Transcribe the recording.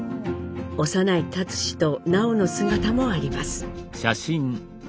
幼い立嗣と南朋の姿もあります。